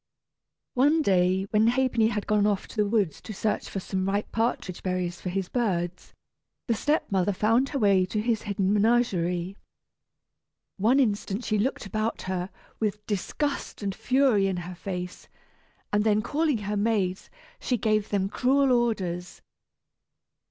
One day when Ha'penny had gone off to the woods to search for some ripe partridge berries for his birds, the step mother found her way to his hidden menagerie. One instant she looked about her, with disgust and fury in her face, and then calling her maids she gave them cruel orders.